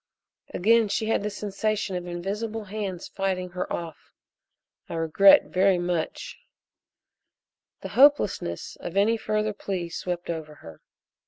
Again she had the sensation of invisible hands fighting her off. "I regret very much " The hopelessness of any further plea swept over her.